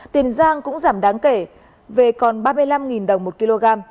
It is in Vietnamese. tiền giang cũng giảm đáng kể về còn ba mươi năm đồng một kg